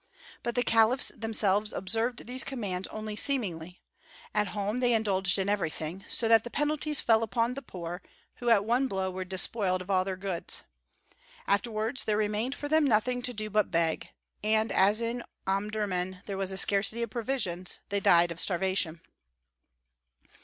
But the caliphs themselves observed these commands only seemingly; at home they indulged in everything, so that the penalties fell upon the poor, who at one blow were despoiled of all their goods. Afterwards there remained for them nothing to do but beg; and as in Omdurmân there was a scarcity of provisions they died of starvation.